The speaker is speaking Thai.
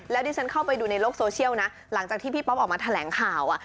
แล้วดิฉันเข้าไปดูในโลกโซเชียลนะหลังจากที่พี่ป๊อปออกมาแถลงข่าว